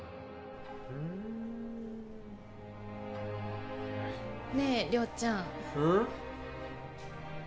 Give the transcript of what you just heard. うんねえ亮ちゃんうん？